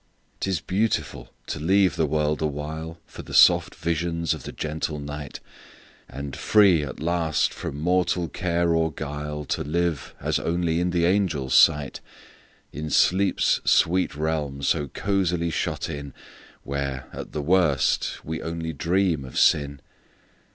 'T is beautiful to leave the world awhileFor the soft visions of the gentle night; And free, at last, from mortal care or guile, To live as only in the angels' sight, In sleep's sweet realm so cosily shut in, Where, at the worst, we only dream of sin!